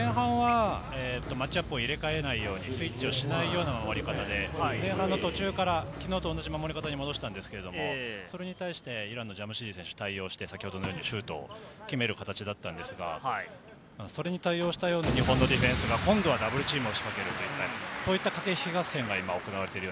前半はマッチアップを入れ替えないように、スイッチしないような終わり方で前半の途中から昨日と同じ守り方に戻したんですが、それに対してイランのジャムシディ選手に対応して先程のようにシュートを決める形だったんですが、それに対応したように日本のディフェンスが今度はダブルチーム。